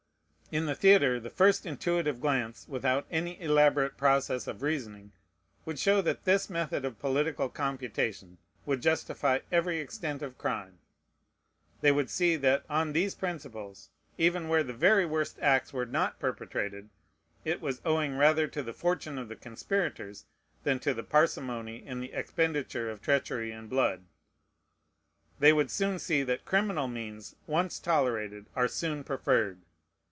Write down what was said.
In the theatre, the first intuitive glance, without any elaborate process of reasoning, would show that this method of political computation would justify every extent of crime. They would see, that, on these principles, even where the very worst acts were not perpetrated, it was owing rather to the fortune of the conspirators than to their parsimony in the expenditure of treachery and blood. They would soon see that criminal means, once tolerated, are soon preferred.